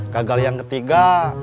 gagal yang ketiga